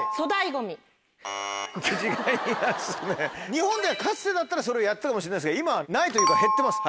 日本ではかつてだったらそれやってたかもしれないですが今ないというか減ってます。